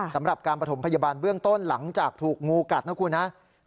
สำหรับการประถมพยาบาลเบื้องต้นหลังจากถูกงูกัดนะครับ